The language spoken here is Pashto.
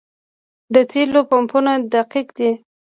د تیلو پمپونه دقیق دي؟